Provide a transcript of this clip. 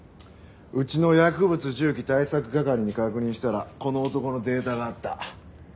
うちの薬物銃器対策係に確認したらこの男のデータがあった。